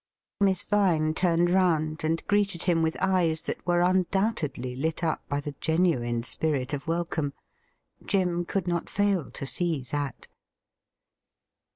Miss Vine turned round and greeted him with eyes that were undoubtedly lit up by the genuine spirit of welcome. Jim could not fail to see that.